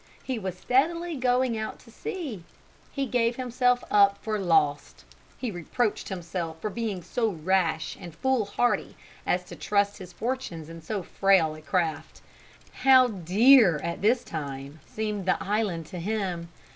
He was steadily going out to sea. He gave himself up for lost. He reproached himself for being so rash and foolhardy as to trust his fortunes in so frail a craft. How dear at this time seemed the island to him!